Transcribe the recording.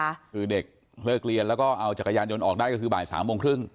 คือเด็กเลิกเรียนแล้วก็เอาจักรยานยนต์ออกได้ก็คือบ่ายสามโมงครึ่ง